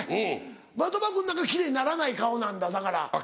的場君なんか奇麗にならない顔なんだだから。